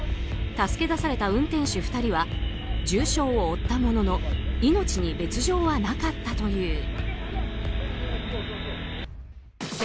助け出された運転手２人は重傷を負ったものの命に別条はなかったという。